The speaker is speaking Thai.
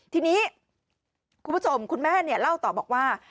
ทีนี้คุณผู้ชมคุณแม่เล่าต่อบอกว่า